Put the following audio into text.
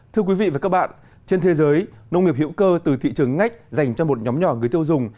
thưa quý vị và các bạn trên thế giới nông nghiệp hữu cơ từ thị trường ngách dành cho một nhóm nhỏ người tiêu dùng